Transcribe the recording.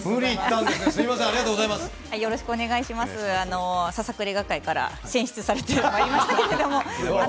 ささくれ学会から選出されてまいりました。